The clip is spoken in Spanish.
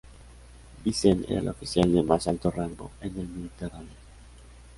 Vincent era el oficial de más alto rango en el Mediterráneo.